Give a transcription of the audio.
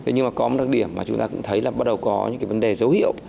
nhưng mà có một đặc điểm mà chúng ta cũng thấy là bắt đầu có những cái vấn đề dấu hiệu